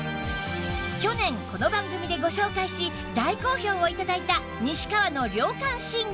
去年この番組でご紹介し大好評を頂いた西川の涼感寝具が